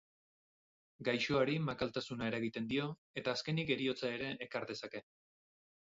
Gaixoari makaltasuna eragiten dio eta azkenik heriotza ere ekar dezake.